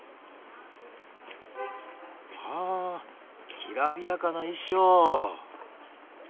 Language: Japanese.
はあきらびやかな衣装。